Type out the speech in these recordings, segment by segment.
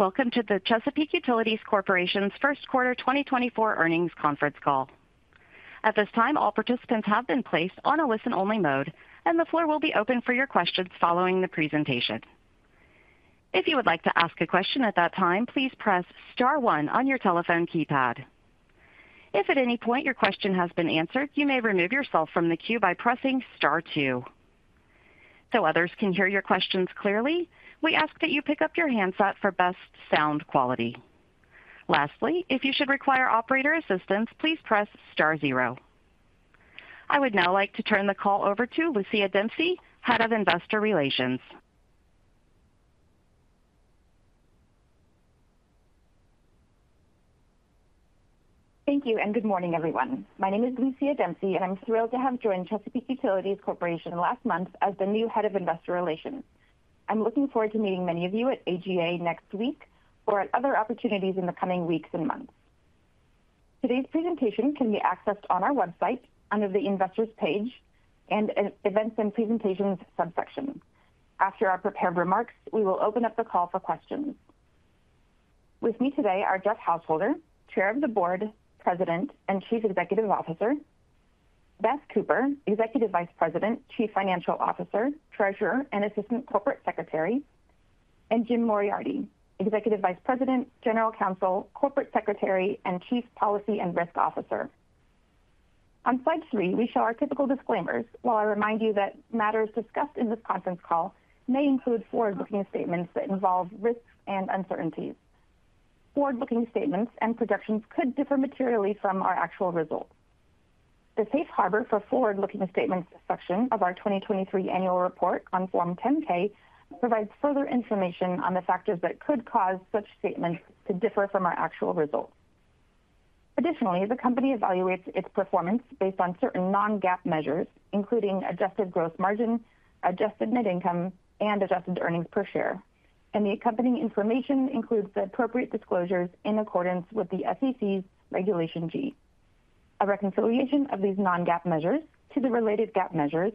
Welcome to the Chesapeake Utilities Corporation's first quarter 2024 earnings conference call. At this time, all participants have been placed on a listen-only mode, and the floor will be open for your questions following the presentation. If you would like to ask a question at that time, please press * one on your telephone keypad. If at any point your question has been answered, you may remove yourself from the queue by pressing * two. So others can hear your questions clearly, we ask that you pick up your handset for best sound quality. Lastly, if you should require operator assistance, please press * zero. I would now like to turn the call over to Lucia Domville, Head of Investor Relations. Thank you, and good morning, everyone. My name is Lucia Domville, and I'm thrilled to have joined Chesapeake Utilities Corporation last month as the new Head of Investor Relations. I'm looking forward to meeting many of you at AGA next week or at other opportunities in the coming weeks and months. Today's presentation can be accessed on our website under the Investors page and in Events and Presentations subsection. After our prepared remarks, we will open up the call for questions. With me today are Jeff Householder, Chair of the Board, President, and Chief Executive Officer, Beth Cooper, Executive Vice President, Chief Financial Officer, Treasurer, and Assistant Corporate Secretary, and Jim Moriarty, Executive Vice President, General Counsel, Corporate Secretary, and Chief Policy and Risk Officer. On slide three, we show our typical disclaimers, while I remind you that matters discussed in this conference call may include forward-looking statements that involve risks and uncertainties. Forward-looking statements and projections could differ materially from our actual results. The Safe Harbor for Forward-Looking Statements section of our 2023 annual report on Form 10-K provides further information on the factors that could cause such statements to differ from our actual results. Additionally, the company evaluates its performance based on certain non-GAAP measures, including adjusted gross margin, adjusted net income, and adjusted earnings per share, and the accompanying information includes the appropriate disclosures in accordance with the SEC's Regulation G. A reconciliation of these non-GAAP measures to the related GAAP measures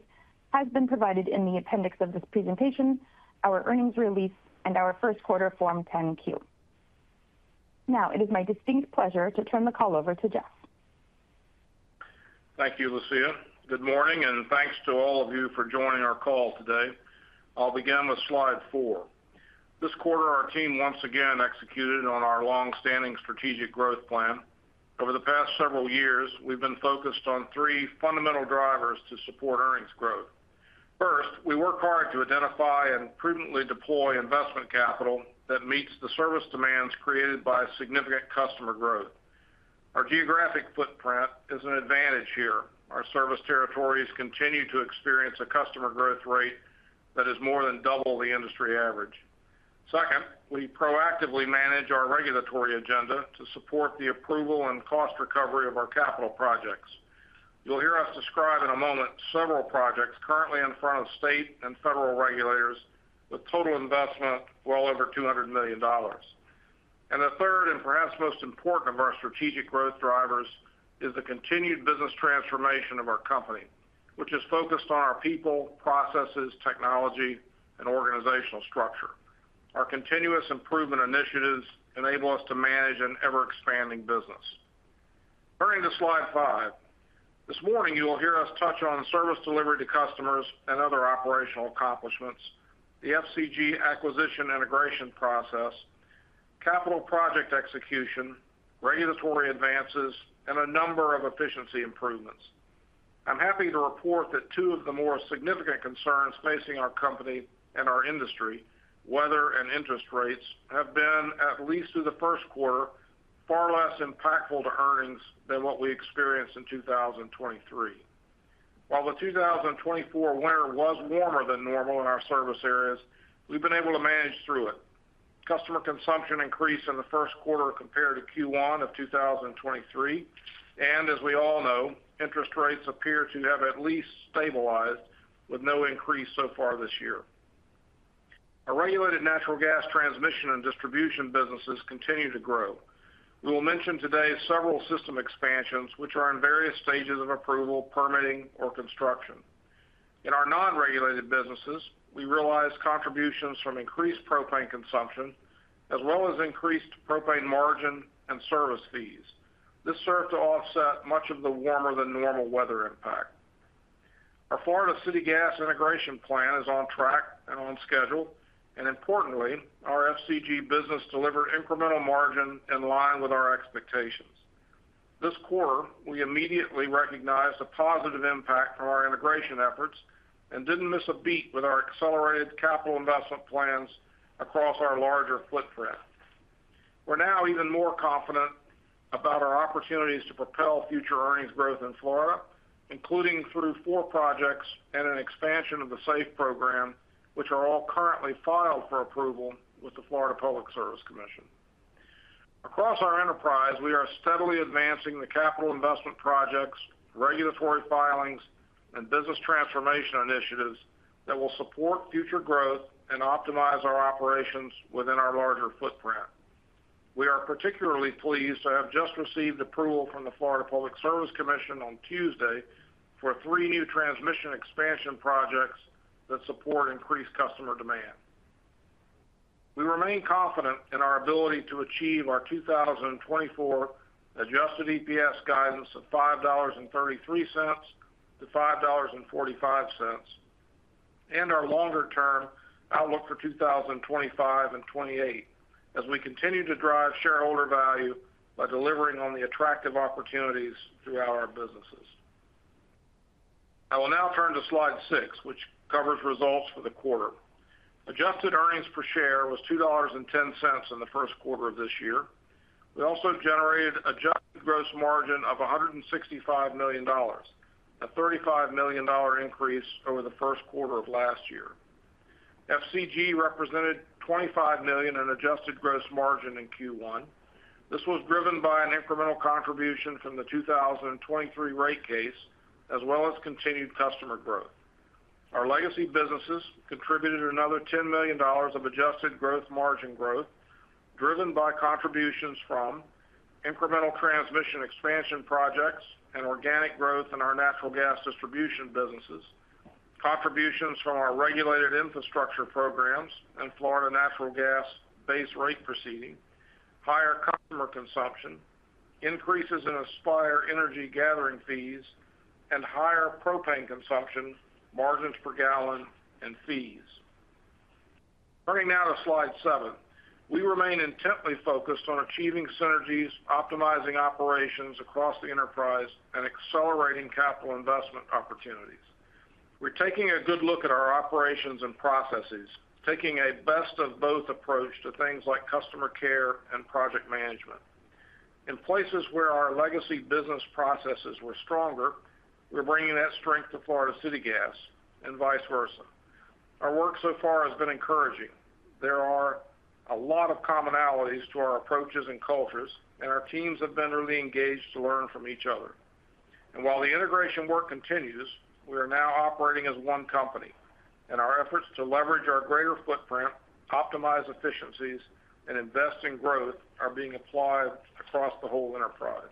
has been provided in the appendix of this presentation, our earnings release, and our first quarter Form 10-Q. Now, it is my distinct pleasure to turn the call over to Jeff. Thank you, Lucia. Good morning, and thanks to all of you for joining our call today. I'll begin with slide 4. This quarter, our team once again executed on our long-standing strategic growth plan. Over the past several years, we've been focused on three fundamental drivers to support earnings growth. First, we work hard to identify and prudently deploy investment capital that meets the service demands created by significant customer growth. Our geographic footprint is an advantage here. Our service territories continue to experience a customer growth rate that is more than double the industry average. Second, we proactively manage our regulatory agenda to support the approval and cost recovery of our capital projects. You'll hear us describe in a moment several projects currently in front of state and federal regulators, with total investment well over $200 million. And the third, and perhaps most important of our strategic growth drivers, is the continued business transformation of our company, which is focused on our people, processes, technology, and organizational structure. Our continuous improvement initiatives enable us to manage an ever-expanding business. Turning to slide 5. This morning, you will hear us touch on service delivery to customers and other operational accomplishments, the FCG acquisition integration process, capital project execution, regulatory advances, and a number of efficiency improvements. I'm happy to report that two of the more significant concerns facing our company and our industry, weather and interest rates, have been, at least through the first quarter, far less impactful to earnings than what we experienced in 2023. While the 2024 winter was warmer than normal in our service areas, we've been able to manage through it. Customer consumption increased in the first quarter compared to Q1 of 2023, and as we all know, interest rates appear to have at least stabilized with no increase so far this year. Our regulated natural gas transmission and distribution businesses continue to grow. We will mention today several system expansions, which are in various stages of approval, permitting, or construction. In our non-regulated businesses, we realize contributions from increased propane consumption, as well as increased propane margin and service fees. This served to offset much of the warmer than normal weather impact. Our Florida City Gas integration plan is on track and on schedule, and importantly, our FCG business delivered incremental margin in line with our expectations. This quarter, we immediately recognized a positive impact from our integration efforts and didn't miss a beat with our accelerated capital investment plans across our larger footprint. We're now even more confident about our opportunities to propel future earnings growth in Florida, including through four projects and an expansion of the SAFE program, which are all currently filed for approval with the Florida Public Service Commission. Across our enterprise, we are steadily advancing the capital investment projects, regulatory filings, and business transformation initiatives that will support future growth and optimize our operations within our larger footprint.... We are particularly pleased to have just received approval from the Florida Public Service Commission on Tuesday for three new transmission expansion projects that support increased customer demand. We remain confident in our ability to achieve our 2024 adjusted EPS guidance of $5.33-$5.45, and our longer-term outlook for 2025 and 2028, as we continue to drive shareholder value by delivering on the attractive opportunities throughout our businesses. I will now turn to slide 6, which covers results for the quarter. Adjusted earnings per share was $2.10 in the first quarter of this year. We also generated adjusted gross margin of $165 million, a $35 million increase over the first quarter of last year. FCG represented $25 million in adjusted gross margin in Q1. This was driven by an incremental contribution from the 2023 rate case, as well as continued customer growth. Our legacy businesses contributed another $10 million of adjusted gross margin growth, driven by contributions from incremental transmission expansion projects and organic growth in our natural gas distribution businesses, contributions from our regulated infrastructure programs and Florida City Gas Base Rate proceeding, higher customer consumption, increases in Aspire Energy gathering fees, and higher propane consumption, margins per gallon, and fees. Turning now to slide 7. We remain intently focused on achieving synergies, optimizing operations across the enterprise, and accelerating capital investment opportunities. We're taking a good look at our operations and processes, taking a best of both approach to things like customer care and project management. In places where our legacy business processes were stronger, we're bringing that strength to Florida City Gas and vice versa. Our work so far has been encouraging. There are a lot of commonalities to our approaches and cultures, and our teams have been really engaged to learn from each other. And while the integration work continues, we are now operating as one company, and our efforts to leverage our greater footprint, optimize efficiencies, and invest in growth are being applied across the whole enterprise.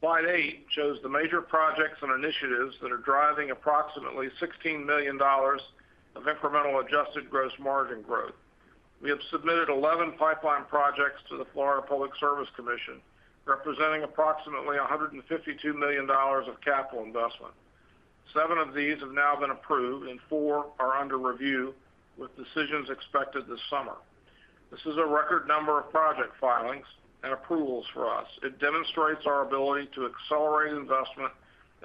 Slide 8 shows the major projects and initiatives that are driving approximately $16 million of incremental adjusted gross margin growth. We have submitted 11 pipeline projects to the Florida Public Service Commission, representing approximately $152 million of capital investment. Seven of these have now been approved and four are under review, with decisions expected this summer. This is a record number of project filings and approvals for us. It demonstrates our ability to accelerate investment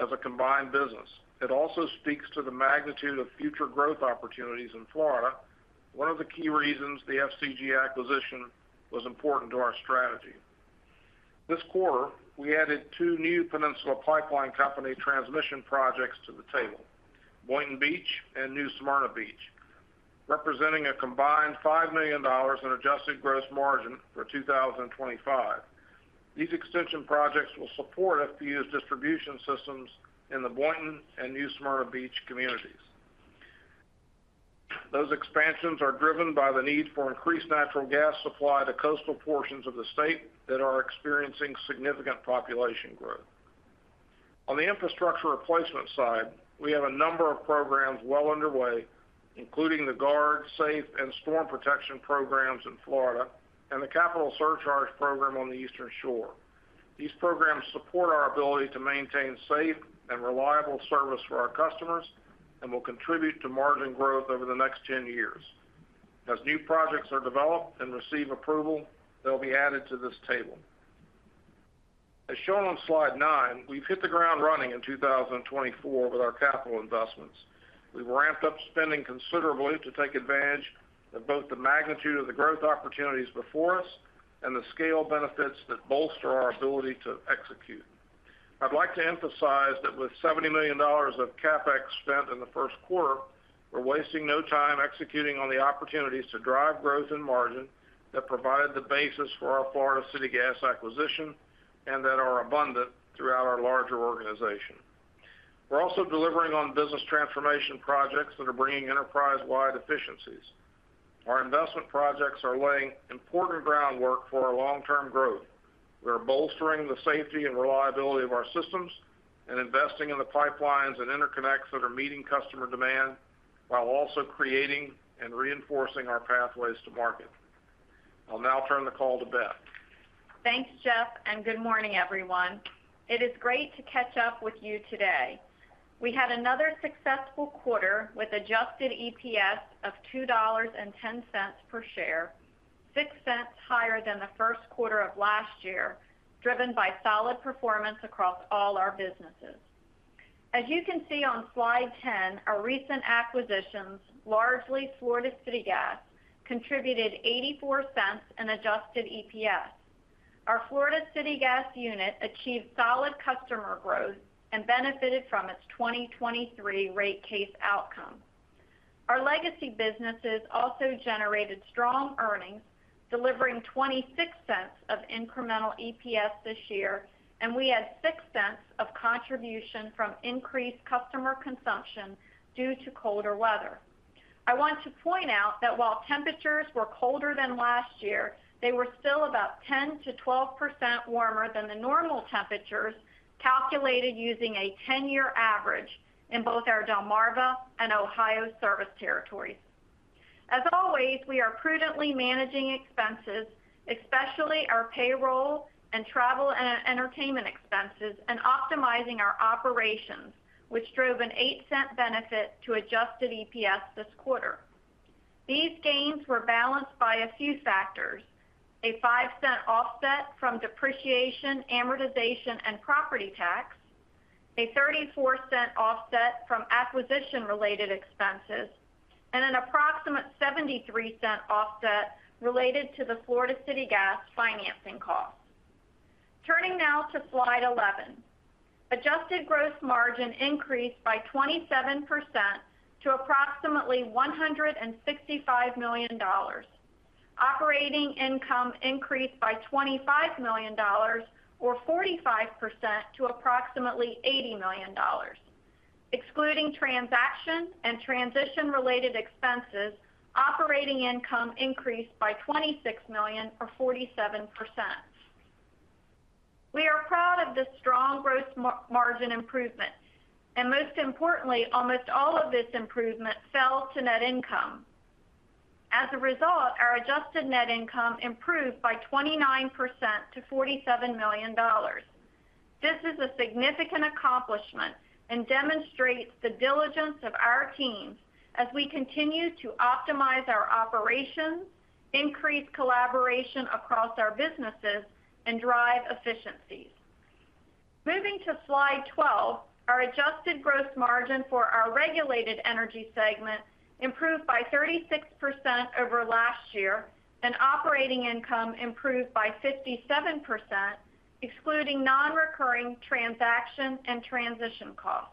as a combined business. It also speaks to the magnitude of future growth opportunities in Florida, one of the key reasons the FCG acquisition was important to our strategy. This quarter, we added two new Peninsula Pipeline Company transmission projects to the table, Boynton Beach and New Smyrna Beach, representing a combined $5 million in adjusted gross margin for 2025. These extension projects will support FPU's distribution systems in the Boynton and New Smyrna Beach communities. Those expansions are driven by the need for increased natural gas supply to coastal portions of the state that are experiencing significant population growth. On the infrastructure replacement side, we have a number of programs well underway, including the GUARD, SAFE, and Storm Protection programs in Florida and the Capital Surcharge Program on the Eastern Shore. These programs support our ability to maintain safe and reliable service for our customers and will contribute to margin growth over the next 10 years. As new projects are developed and receive approval, they'll be added to this table. As shown on slide 9, we've hit the ground running in 2024 with our capital investments. We've ramped up spending considerably to take advantage of both the magnitude of the growth opportunities before us and the scale benefits that bolster our ability to execute. I'd like to emphasize that with $70 million of CapEx spent in the first quarter, we're wasting no time executing on the opportunities to drive growth and margin that provided the basis for our Florida City Gas acquisition and that are abundant throughout our larger organization. We're also delivering on business transformation projects that are bringing enterprise-wide efficiencies. Our investment projects are laying important groundwork for our long-term growth. We are bolstering the safety and reliability of our systems and investing in the pipelines and interconnects that are meeting customer demand while also creating and reinforcing our pathways to market. I'll now turn the call to Beth. Thanks, Jeff, and good morning, everyone. It is great to catch up with you today. We had another successful quarter with adjusted EPS of $2.10 per share, 6 cents higher than the first quarter of last year, driven by solid performance across all our businesses. As you can see on slide 10, our recent acquisitions, largely Florida City Gas, contributed 84 cents in adjusted EPS. Our Florida City Gas unit achieved solid customer growth and benefited from its 2023 rate case outcome. Our legacy businesses also generated strong earnings, delivering 26 cents of incremental EPS this year, and we had 6 cents of contribution from increased customer consumption due to colder weather.... I want to point out that while temperatures were colder than last year, they were still about 10%-12% warmer than the normal temperatures, calculated using a 10-year average in both our Delmarva and Ohio service territories. As always, we are prudently managing expenses, especially our payroll and travel and entertainment expenses, and optimizing our operations, which drove an $0.08 benefit to adjusted EPS this quarter. These gains were balanced by a few factors: a $0.05 offset from depreciation, amortization, and property tax, a $0.34 offset from acquisition-related expenses, and an approximate $0.73 offset related to the Florida City Gas financing costs. Turning now to slide 11. Adjusted gross margin increased by 27% to approximately $165 million. Operating income increased by $25 million, or 45%, to approximately $80 million. Excluding transaction and transition-related expenses, operating income increased by $26 million, or 47%. We are proud of this strong growth margin improvement, and most importantly, almost all of this improvement fell to net income. As a result, our adjusted net income improved by 29% to $47 million. This is a significant accomplishment and demonstrates the diligence of our teams as we continue to optimize our operations, increase collaboration across our businesses, and drive efficiencies. Moving to slide 12, our adjusted gross margin for our regulated energy segment improved by 36% over last year, and operating income improved by 57%, excluding non-recurring transaction and transition costs.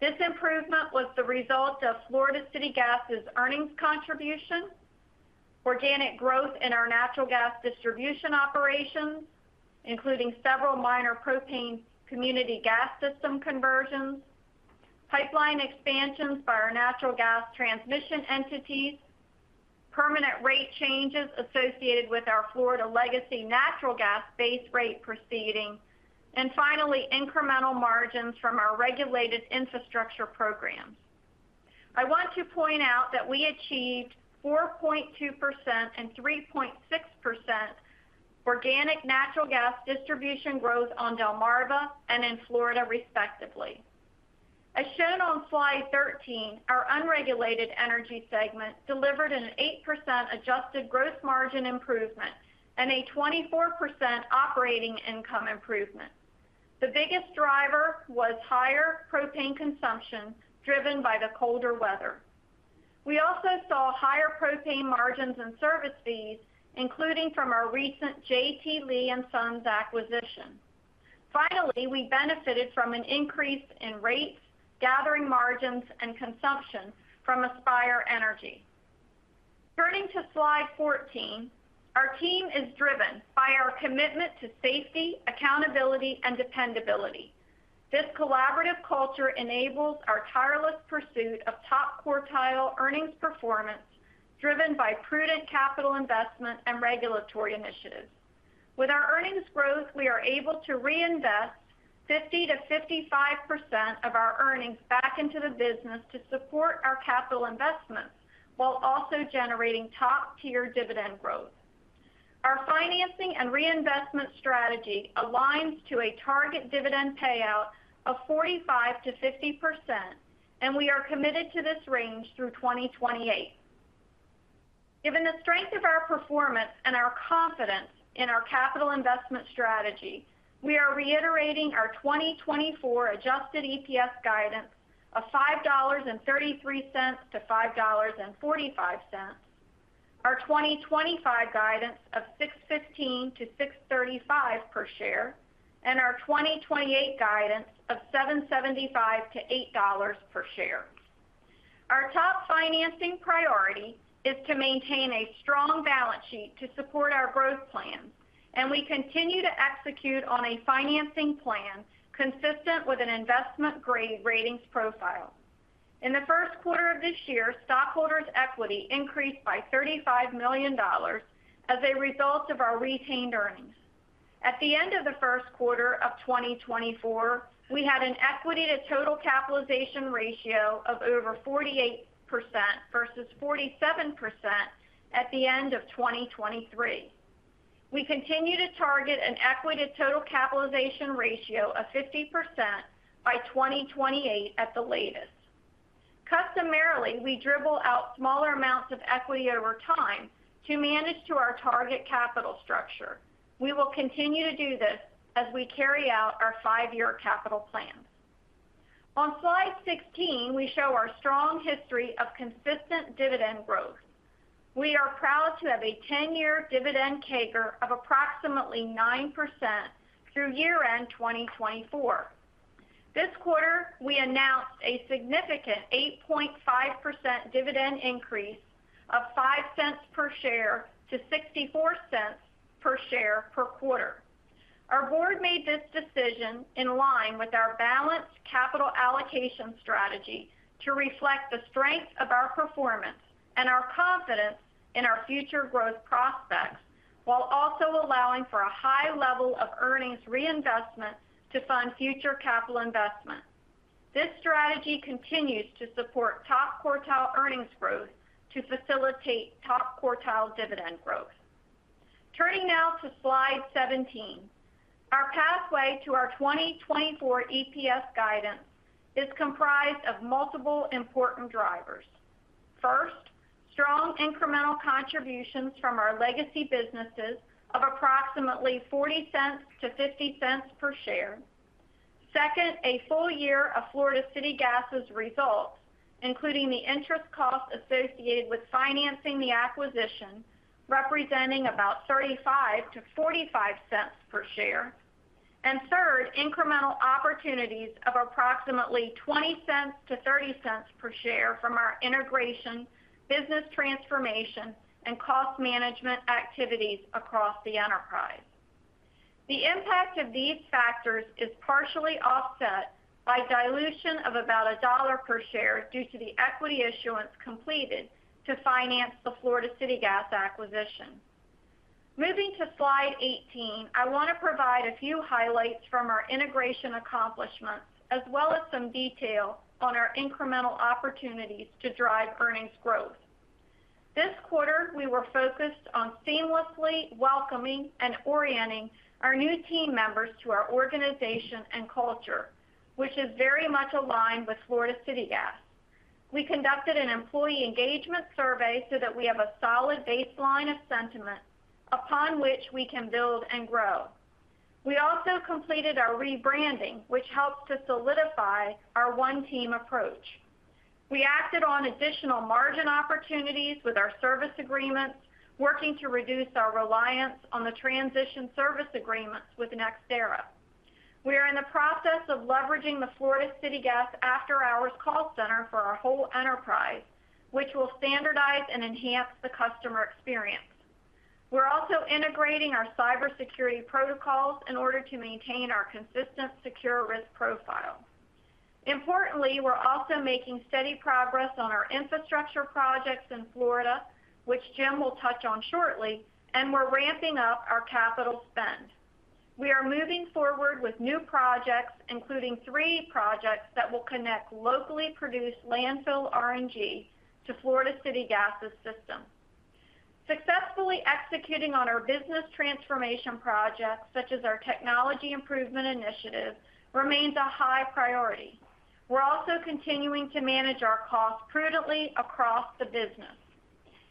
This improvement was the result of Florida City Gas's earnings contribution, organic growth in our natural gas distribution operations, including several minor propane community gas system conversions, pipeline expansions by our natural gas transmission entities, permanent rate changes associated with our Florida Legacy Natural Gas base rate proceeding, and finally, incremental margins from our regulated infrastructure programs. I want to point out that we achieved 4.2% and 3.6% organic natural gas distribution growth on Delmarva and in Florida, respectively. As shown on slide 13, our unregulated energy segment delivered an 8% adjusted gross margin improvement and a 24% operating income improvement. The biggest driver was higher propane consumption, driven by the colder weather. We also saw higher propane margins and service fees, including from our recent J.T. Lee & Sons acquisition. Finally, we benefited from an increase in rates, gathering margins, and consumption from Aspire Energy. Turning to slide 14, our team is driven by our commitment to safety, accountability, and dependability. This collaborative culture enables our tireless pursuit of top-quartile earnings performance, driven by prudent capital investment and regulatory initiatives. With our earnings growth, we are able to reinvest 50%-55% of our earnings back into the business to support our capital investments, while also generating top-tier dividend growth. Our financing and reinvestment strategy aligns to a target dividend payout of 45%-50%, and we are committed to this range through 2028. Given the strength of our performance and our confidence in our capital investment strategy, we are reiterating our 2024 adjusted EPS guidance of $5.33-$5.45, our 2025 guidance of $6.15-$6.35 per share, and our 2028 guidance of $7.75-$8 per share. Our top financing priority is to maintain a strong balance sheet to support our growth plans, and we continue to execute on a financing plan consistent with an investment-grade ratings profile. In the first quarter of this year, stockholders' equity increased by $35 million as a result of our retained earnings. At the end of the first quarter of 2024, we had an equity to total capitalization ratio of over 48% versus 47% at the end of 2023. We continue to target an equity to total capitalization ratio of 50% by 2028 at the latest. Customarily, we dribble out smaller amounts of equity over time to manage to our target capital structure. We will continue to do this as we carry out our 5-year capital plan. On slide 16, we show our strong history of consistent dividend growth. We are proud to have a 10-year dividend CAGR of approximately 9% through year-end 2024. This quarter, we announced a significant 8.5% dividend increase of $0.05 per share to $0.64 per share per quarter.... Our board made this decision in line with our balanced capital allocation strategy to reflect the strength of our performance and our confidence in our future growth prospects, while also allowing for a high level of earnings reinvestment to fund future capital investment. This strategy continues to support top-quartile earnings growth to facilitate top-quartile dividend growth. Turning now to slide 17. Our pathway to our 2024 EPS guidance is comprised of multiple important drivers. First, strong incremental contributions from our legacy businesses of approximately $0.40-$0.50 per share. Second, a full year of Florida City Gas's results, including the interest cost associated with financing the acquisition, representing about $0.35-$0.45 per share. And third, incremental opportunities of approximately $0.20-$0.30 per share from our integration, business transformation, and cost management activities across the enterprise. The impact of these factors is partially offset by dilution of about $1 per share due to the equity issuance completed to finance the Florida City Gas acquisition. Moving to slide 18, I want to provide a few highlights from our integration accomplishments, as well as some detail on our incremental opportunities to drive earnings growth. This quarter, we were focused on seamlessly welcoming and orienting our new team members to our organization and culture, which is very much aligned with Florida City Gas. We conducted an employee engagement survey so that we have a solid baseline of sentiment upon which we can build and grow. We also completed our rebranding, which helped to solidify our one-team approach. We acted on additional margin opportunities with our service agreements, working to reduce our reliance on the transition service agreements with NextEra. We are in the process of leveraging the Florida City Gas after-hours call center for our whole enterprise, which will standardize and enhance the customer experience. We're also integrating our cybersecurity protocols in order to maintain our consistent, secure risk profile. Importantly, we're also making steady progress on our infrastructure projects in Florida, which Jim will touch on shortly, and we're ramping up our capital spend. We are moving forward with new projects, including three projects that will connect locally produced landfill RNG to Florida City Gas's system. Successfully executing on our business transformation projects, such as our technology improvement initiative, remains a high priority. We're also continuing to manage our costs prudently across the business.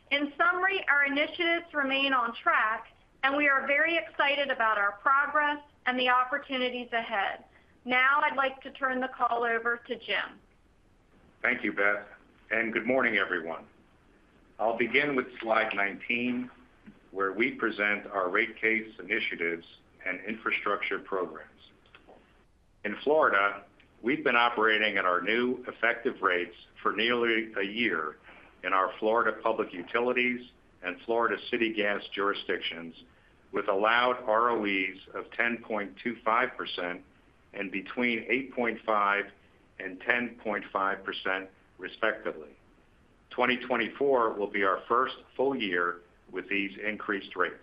In summary, our initiatives remain on track, and we are very excited about our progress and the opportunities ahead. Now, I'd like to turn the call over to Jim. Thank you, Beth, and good morning, everyone. I'll begin with slide 19, where we present our rate case initiatives and infrastructure programs. In Florida, we've been operating at our new effective rates for nearly a year in our Florida Public Utilities and Florida City Gas jurisdictions, with allowed ROEs of 10.25% and between 8.5% and 10.5%, respectively. 2024 will be our first full year with these increased rates.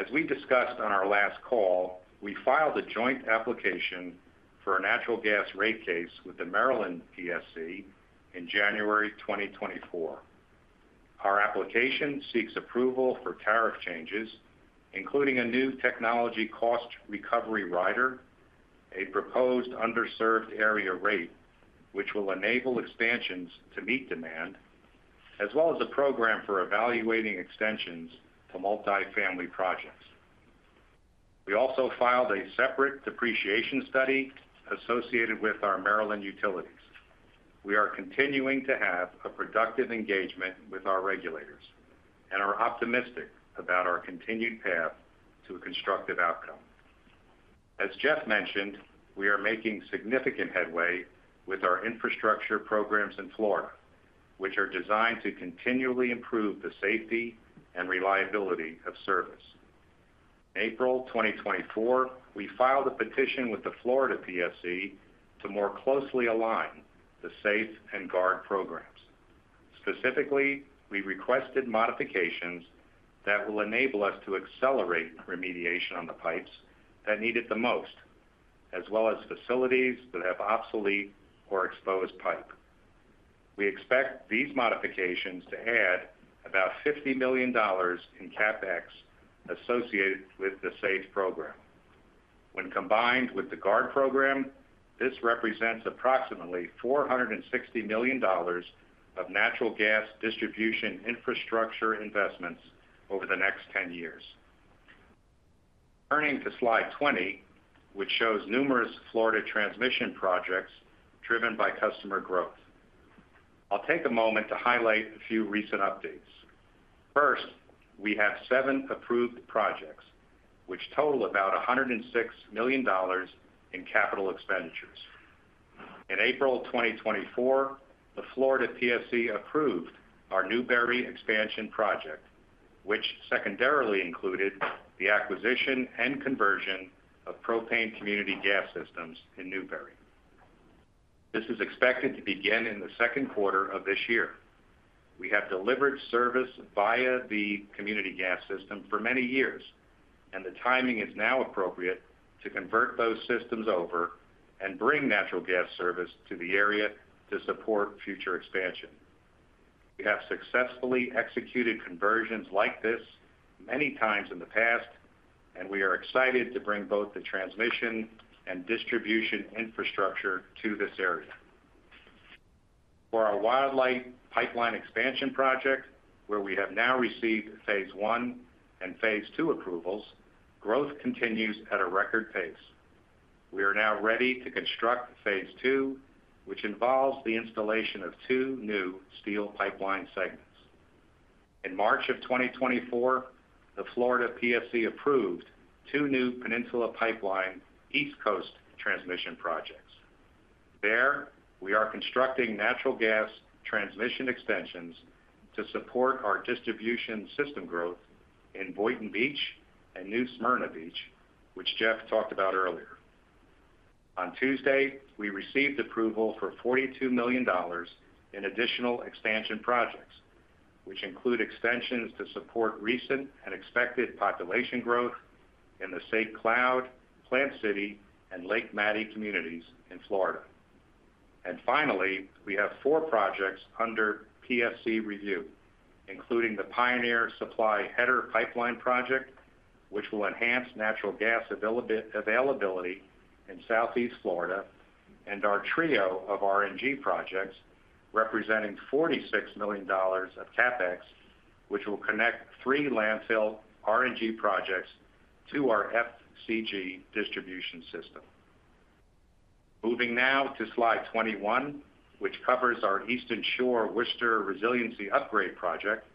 As we discussed on our last call, we filed a joint application for a natural gas rate case with the Maryland PSC in January 2024. Our application seeks approval for tariff changes, including a new technology cost recovery rider, a proposed underserved area rate, which will enable expansions to meet demand, as well as a program for evaluating extensions to multifamily projects. We also filed a separate depreciation study associated with our Maryland utilities. We are continuing to have a productive engagement with our regulators and are optimistic about our continued path to a constructive outcome. As Jeff mentioned, we are making significant headway with our infrastructure programs in Florida, which are designed to continually improve the safety and reliability of service. In April 2024, we filed a petition with the Florida PSC to more closely align the SAFE and GUARD programs. Specifically, we requested modifications that will enable us to accelerate remediation on the pipes that need it the most, as well as facilities that have obsolete or exposed pipe. We expect these modifications to add about $50 million in CapEx associated with the SAFE program. When combined with the GUARD program, this represents approximately $460 million of natural gas distribution infrastructure investments over the next 10 years. Turning to slide 20, which shows numerous Florida transmission projects driven by customer growth. I'll take a moment to highlight a few recent updates. First, we have 7 approved projects, which total about $106 million in capital expenditures... In April 2024, the Florida PSC approved our Newberry Expansion Project, which secondarily included the acquisition and conversion of propane community gas systems in Newberry. This is expected to begin in the second quarter of this year. We have delivered service via the community gas system for many years, and the timing is now appropriate to convert those systems over and bring natural gas service to the area to support future expansion. We have successfully executed conversions like this many times in the past, and we are excited to bring both the transmission and distribution infrastructure to this area. For our Wildlight Pipeline Expansion Project, where we have now received phase one and phase two approvals, growth continues at a record pace. We are now ready to construct phase two, which involves the installation of two new steel pipeline segments. In March of 2024, the Florida PSC approved two new Peninsula Pipeline East Coast transmission projects. There, we are constructing natural gas transmission extensions to support our distribution system growth in Boynton Beach and New Smyrna Beach, which Jeff talked about earlier. On Tuesday, we received approval for $42 million in additional expansion projects, which include extensions to support recent and expected population growth in the St. Cloud, Plant City, and Lake Mattie communities in Florida. Finally, we have 4 projects under PSC review, including the Pioneer Supply Header Pipeline Project, which will enhance natural gas availability in Southeast Florida, and our trio of RNG projects, representing $46 million of CapEx, which will connect three landfill RNG projects to our FCG distribution system. Moving now to slide 21, which covers our Eastern Shore Worcester Resiliency Upgrade Project,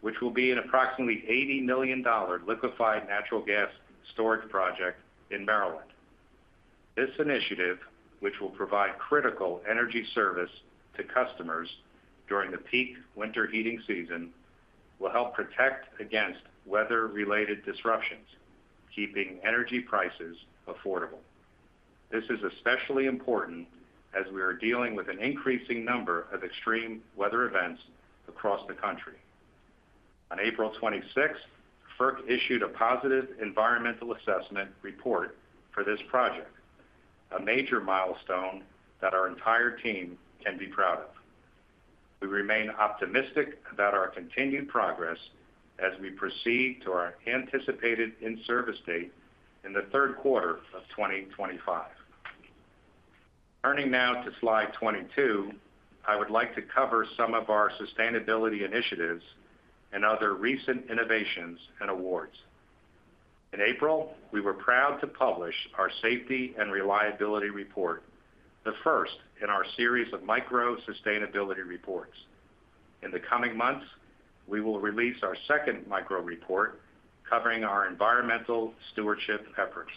which will be an approximately $80 million liquefied natural gas storage project in Maryland. This initiative, which will provide critical energy service to customers during the peak winter heating season, will help protect against weather-related disruptions, keeping energy prices affordable. This is especially important as we are dealing with an increasing number of extreme weather events across the country. On April 26, FERC issued a positive environmental assessment report for this project, a major milestone that our entire team can be proud of. We remain optimistic about our continued progress as we proceed to our anticipated in-service date in the third quarter of 2025. Turning now to slide 22, I would like to cover some of our sustainability initiatives and other recent innovations and awards. In April, we were proud to publish our Safety and Reliability Report, the first in our series of micro-sustainability reports. In the coming months, we will release our second micro report covering our environmental stewardship efforts.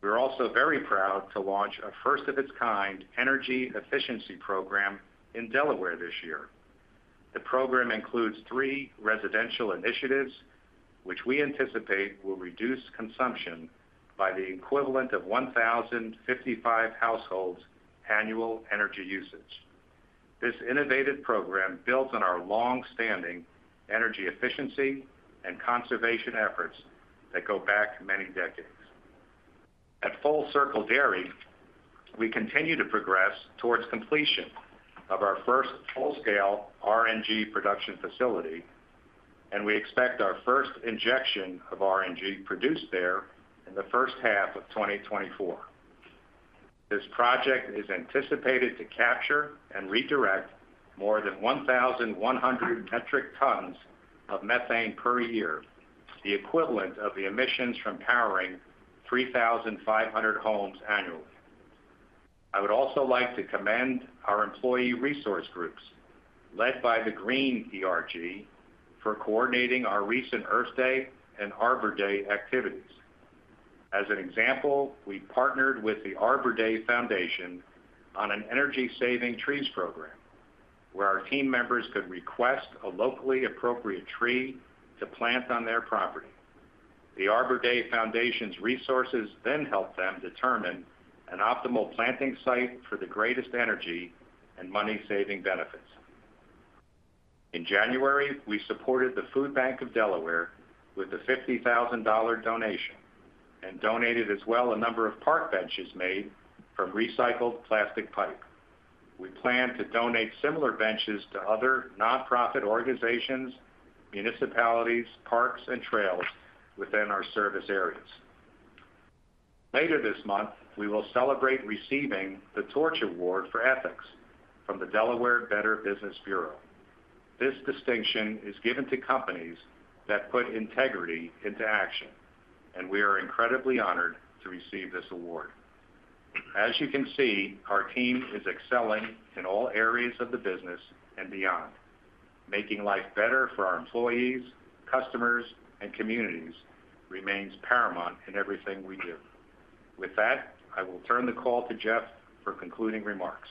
We're also very proud to launch a first-of-its-kind energy efficiency program in Delaware this year. The program includes three residential initiatives, which we anticipate will reduce consumption by the equivalent of 1,055 households' annual energy usage. This innovative program builds on our long-standing energy efficiency and conservation efforts that go back many decades. At Full Circle Dairy, we continue to progress towards completion of our first full-scale RNG production facility, and we expect our first injection of RNG produced there in the first half of 2024. This project is anticipated to capture and redirect more than 1,100 metric tons of methane per year, the equivalent of the emissions from powering 3,500 homes annually. I would also like to commend our employee resource groups, led by the Green ERG, for coordinating our recent Earth Day and Arbor Day activities. As an example, we partnered with the Arbor Day Foundation on an Energy-Saving Trees program, where our team members could request a locally appropriate tree to plant on their property. The Arbor Day Foundation's resources then help them determine an optimal planting site for the greatest energy and money-saving benefits. In January, we supported the Food Bank of Delaware with a $50,000 donation and donated as well a number of park benches made from recycled plastic pipe. We plan to donate similar benches to other nonprofit organizations, municipalities, parks, and trails within our service areas. Later this month, we will celebrate receiving the Torch Award for Ethics from the Delaware Better Business Bureau. This distinction is given to companies that put integrity into action, and we are incredibly honored to receive this award. As you can see, our team is excelling in all areas of the business and beyond, making life better for our employees, customers, and communities remains paramount in everything we do. With that, I will turn the call to Jeff for concluding remarks.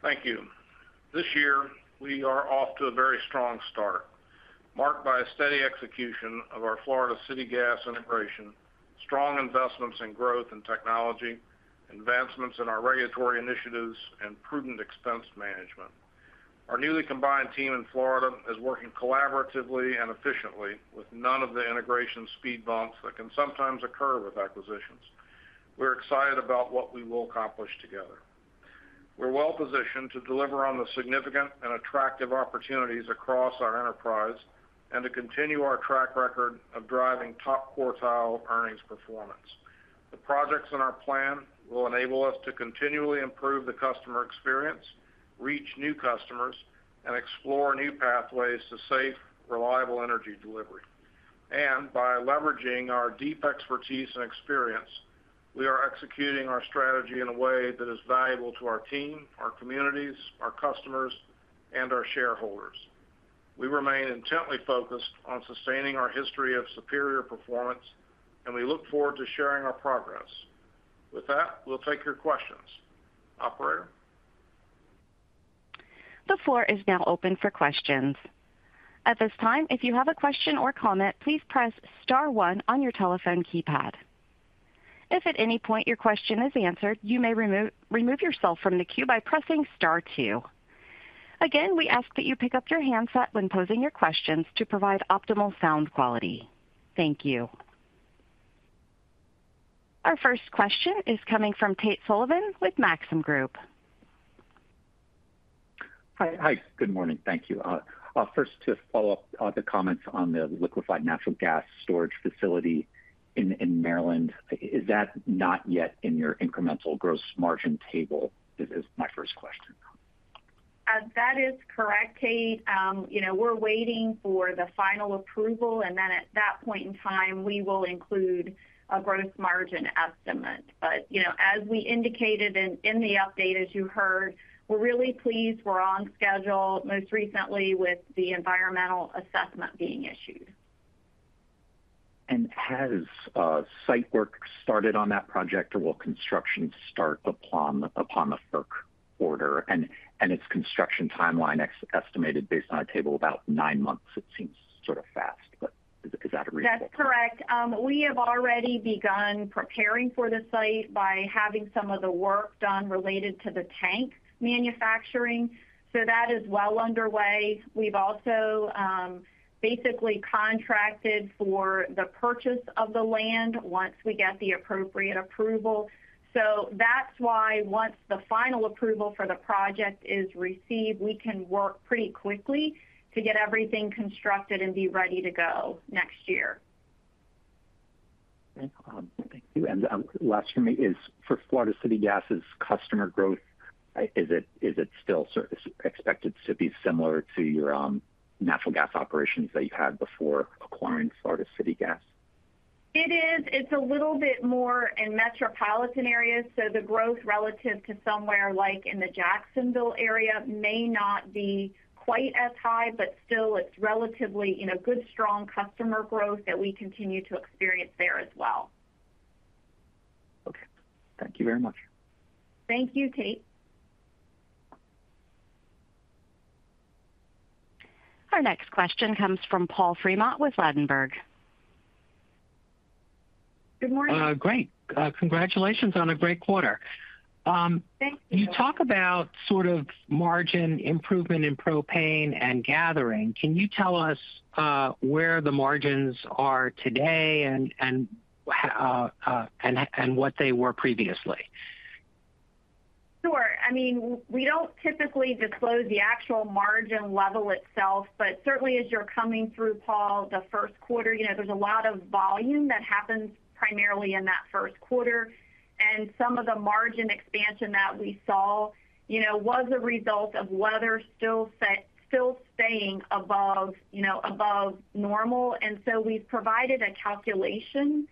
Thank you. This year, we are off to a very strong start, marked by a steady execution of our Florida City Gas integration, strong investments in growth and technology, advancements in our regulatory initiatives, and prudent expense management. Our newly combined team in Florida is working collaboratively and efficiently, with none of the integration speed bumps that can sometimes occur with acquisitions. We're excited about what we will accomplish together. We're well-positioned to deliver on the significant and attractive opportunities across our enterprise, and to continue our track record of driving top-quartile earnings performance. The projects in our plan will enable us to continually improve the customer experience, reach new customers, and explore new pathways to safe, reliable energy delivery. By leveraging our deep expertise and experience, we are executing our strategy in a way that is valuable to our team, our communities, our customers, and our shareholders. We remain intently focused on sustaining our history of superior performance, and we look forward to sharing our progress. With that, we'll take your questions. Operator? The floor is now open for questions. At this time, if you have a question or comment, please press * one on your telephone keypad. If at any point your question is answered, you may remove yourself from the queue by pressing * two. Again, we ask that you pick up your handset when posing your questions to provide optimal sound quality. Thank you. Our first question is coming from Tate Sullivan with Maxim Group. Hi. Hi, good morning. Thank you. First, to follow up on the comments on the liquefied natural gas storage facility in Maryland, is that not yet in your incremental gross margin table? This is my first question. That is correct, Tate. You know, we're waiting for the final approval, and then at that point in time, we will include a gross margin estimate. But, you know, as we indicated in the update, as you heard, we're really pleased we're on schedule, most recently with the environmental assessment being issued. And has site work started on that project, or will construction start upon the FERC order? And its construction timeline estimated based on a table, about 9 months, it seems sort of fast, but is that reasonable? That's correct. We have already begun preparing for the site by having some of the work done related to the tank manufacturing, so that is well underway. We've also basically contracted for the purchase of the land once we get the appropriate approval. So that's why once the final approval for the project is received, we can work pretty quickly to get everything constructed and be ready to go next year. Okay, thank you. And, last for me is, for Florida City Gas's customer growth, is it, is it still sort of expected to be similar to your, natural gas operations that you had before acquiring Florida City Gas? It is. It's a little bit more in metropolitan areas, so the growth relative to somewhere like in the Jacksonville area may not be quite as high, but still it's relatively in a good, strong customer growth that we continue to experience there as well. Okay. Thank you very much. Thank you, Tate. Our next question comes from Paul Fremont with Ladenburg. Good morning. Great. Congratulations on a great quarter. Thank you. You talk about sort of margin improvement in propane and gathering. Can you tell us where the margins are today, and what they were previously? Sure. I mean, we don't typically disclose the actual margin level itself, but certainly as you're coming through, Paul, the first quarter, you know, there's a lot of volume that happens primarily in that first quarter, and some of the margin expansion that we saw, you know, was a result of weather still staying above, you know, above normal. And so we've provided a calculation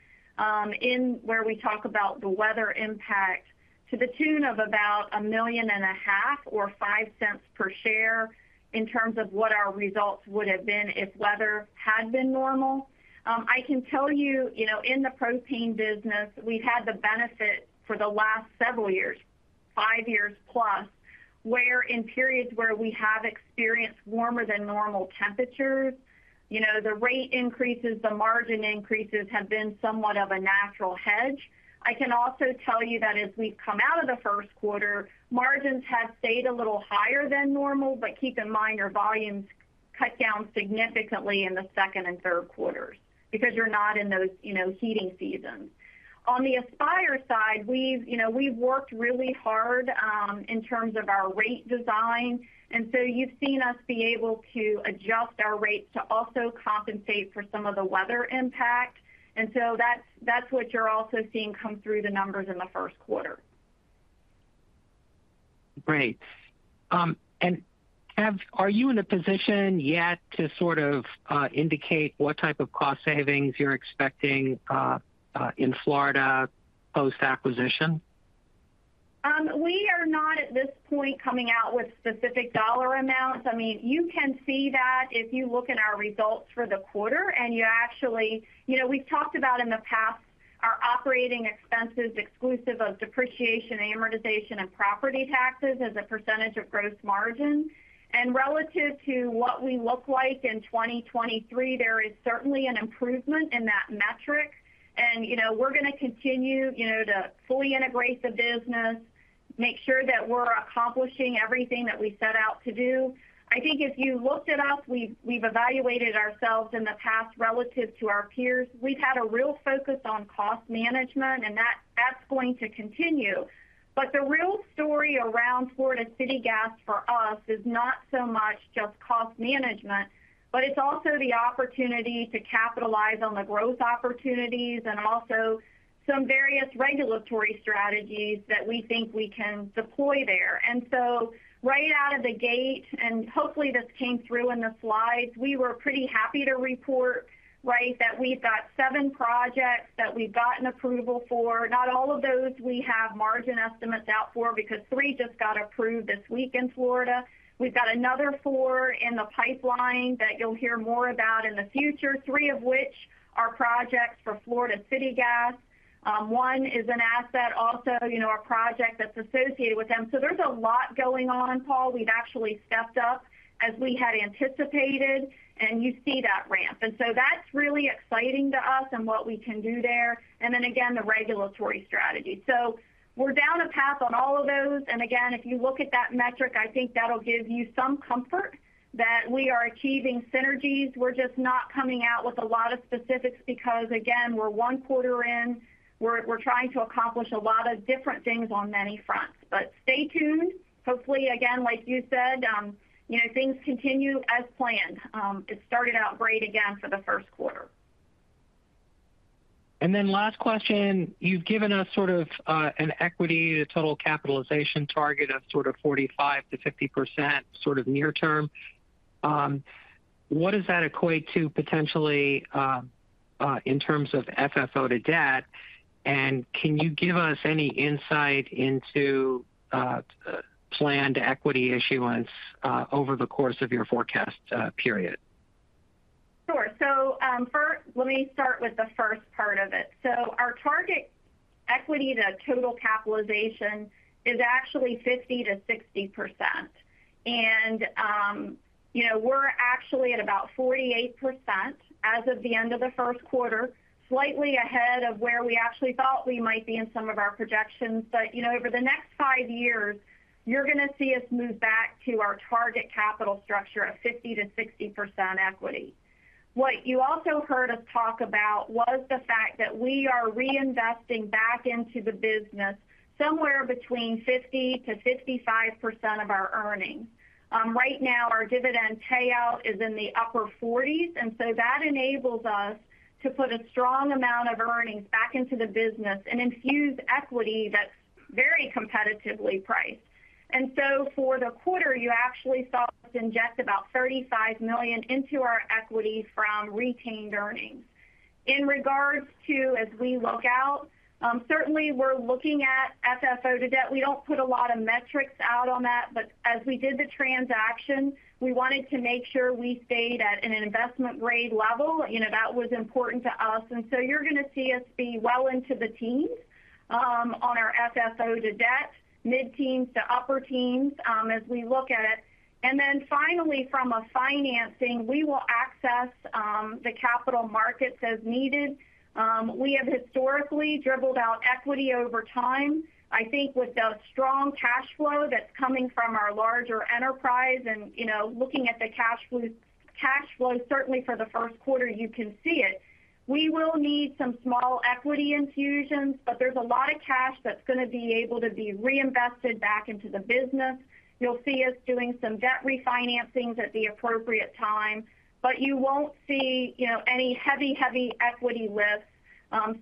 in where we talk about the weather impact to the tune of about $1.5 million or $0.05 per share, in terms of what our results would have been if weather had been normal. I can tell you, you know, in the propane business, we've had the benefit for the last several years, five years plus, where in periods where we have experienced warmer than normal temperatures, you know, the rate increases, the margin increases have been somewhat of a natural hedge. I can also tell you that as we've come out of the first quarter, margins have stayed a little higher than normal, but keep in mind, your volumes cut down significantly in the second and third quarters, because you're not in those, you know, heating seasons. On the Aspire side, we've, you know, we've worked really hard, in terms of our rate design, and so you've seen us be able to adjust our rates to also compensate for some of the weather impact. And so that's, that's what you're also seeing come through the numbers in the first quarter. Great. And are you in a position yet to sort of indicate what type of cost savings you're expecting in Florida post-acquisition?... We are not at this point coming out with specific dollar amounts. I mean, you can see that if you look at our results for the quarter, and you actually, you know, we've talked about in the past our operating expenses, exclusive of depreciation, amortization, and property taxes as a percentage of gross margin. And relative to what we look like in 2023, there is certainly an improvement in that metric. And, you know, we're gonna continue, you know, to fully integrate the business, make sure that we're accomplishing everything that we set out to do. I think if you looked at us, we've evaluated ourselves in the past relative to our peers. We've had a real focus on cost management, and that's going to continue. But the real story around Florida City Gas for us is not so much just cost management, but it's also the opportunity to capitalize on the growth opportunities and also some various regulatory strategies that we think we can deploy there. And so right out of the gate, and hopefully, this came through in the slides, we were pretty happy to report, right, that we've got 7 projects that we've gotten approval for. Not all of those we have margin estimates out for, because 3 just got approved this week in Florida. We've got another 4 in the pipeline that you'll hear more about in the future, 3 of which are projects for Florida City Gas. One is an asset, also, you know, a project that's associated with them. So there's a lot going on, Paul. We've actually stepped up as we had anticipated, and you see that ramp. So that's really exciting to us and what we can do there, and then again, the regulatory strategy. So we're down a path on all of those, and again, if you look at that metric, I think that'll give you some comfort that we are achieving synergies. We're just not coming out with a lot of specifics because, again, we're one quarter in, we're trying to accomplish a lot of different things on many fronts. But stay tuned. Hopefully, again, like you said, you know, things continue as planned. It started out great again for the first quarter. Then last question, you've given us sort of an equity to total capitalization target of sort of 45%-50%, sort of near term. What does that equate to potentially in terms of FFO to debt? And can you give us any insight into planned equity issuance over the course of your forecast period? Sure. So, first, let me start with the first part of it. So our target equity to total capitalization is actually 50%-60%. And, you know, we're actually at about 48% as of the end of the first quarter, slightly ahead of where we actually thought we might be in some of our projections. But, you know, over the next five years, you're gonna see us move back to our target capital structure of 50%-60% equity. What you also heard us talk about was the fact that we are reinvesting back into the business somewhere between 50%-55% of our earnings. Right now, our dividend payout is in the upper forties, and so that enables us to put a strong amount of earnings back into the business and infuse equity that's very competitively priced. So for the quarter, you actually saw us inject about $35 million into our equity from retained earnings. In regards to as we look out, certainly we're looking at FFO to debt. We don't put a lot of metrics out on that, but as we did the transaction, we wanted to make sure we stayed at an investment grade level. You know, that was important to us, and so you're gonna see us be well into the teens, on our FFO to debt, mid-teens to upper teens, as we look at it. And then finally, from a financing, we will access the capital markets as needed. We have historically dribbled out equity over time. I think with the strong cash flow that's coming from our larger enterprise and, you know, looking at the cash flow, cash flow, certainly for the first quarter, you can see it. We will need some small equity infusions, but there's a lot of cash that's gonna be able to be reinvested back into the business. You'll see us doing some debt refinancings at the appropriate time, but you won't see, you know, any heavy, heavy equity lifts,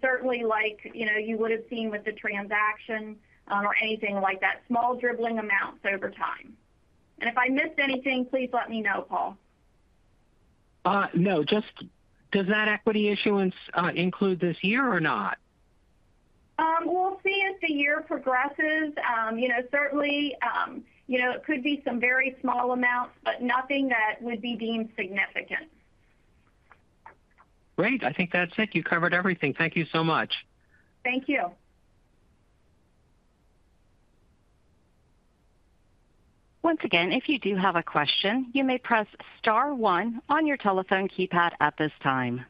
certainly like, you know, you would have seen with the transaction, or anything like that. Small, dribbling amounts over time. If I missed anything, please let me know, Paul. No, just does that equity issuance include this year or not? We'll see as the year progresses. You know, certainly, you know, it could be some very small amounts, but nothing that would be deemed significant. Great. I think that's it. You covered everything. Thank you so much. Thank you. Once again, if you do have a question, you may press * one on your telephone keypad at this time.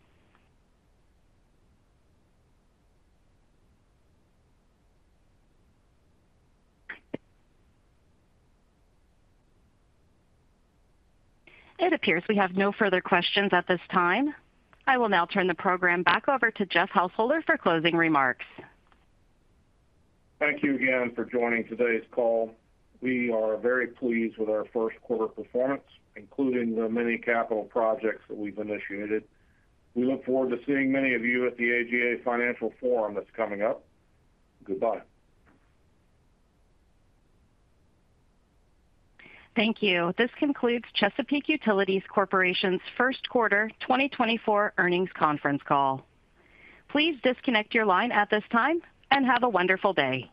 It appears we have no further questions at this time. I will now turn the program back over to Jeff Householder for closing remarks. Thank you again for joining today's call. We are very pleased with our first quarter performance, including the many capital projects that we've initiated. We look forward to seeing many of you at the AGA Financial Forum that's coming up. Goodbye. Thank you. This concludes Chesapeake Utilities Corporation's first quarter 2024 earnings conference call. Please disconnect your line at this time, and have a wonderful day.